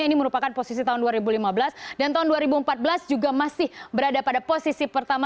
ini merupakan posisi tahun dua ribu lima belas dan tahun dua ribu empat belas juga masih berada pada posisi pertama